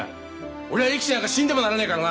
俺は力士なんか死んでもならねえからな。